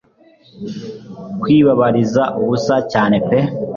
kwibabariza ubusa cyane pe